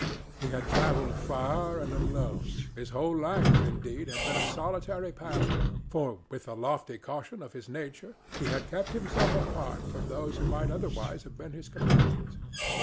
He had travelled far and alone; his whole life, indeed, had been a solitary path, for, with the lofty caution of his nature, he had kept himself apart from those who might otherwise have been his companions.